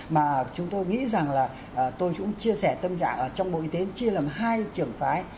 mà chúng tôi nghĩ rằng là tôi cũng chia sẻ tâm trạng trong bộ y tế chia làm hai trưởng phái